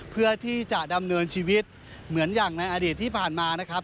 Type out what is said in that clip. เพื่อที่จะดำเนินชีวิตเหมือนอย่างในอดีตที่ผ่านมานะครับ